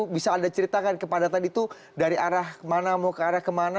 bisa anda ceritakan kepadatan itu dari arah mana mau ke arah kemana